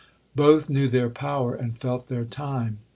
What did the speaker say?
Both knew their power, and felt their time.